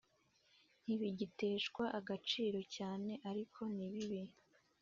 ntibigiteshwa agaciro cyane ariko nibibi